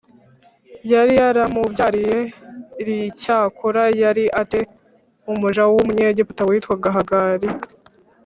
yari yaramubyariye r Icyakora yari a te umuja w Umunyegiputa witwaga Hagari